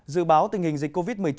dự báo tình hình dịch covid một mươi chín